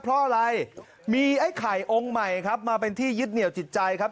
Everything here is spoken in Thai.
เพราะอะไรมีไอ้ไข่องค์ใหม่ครับมาเป็นที่ยึดเหนียวจิตใจครับ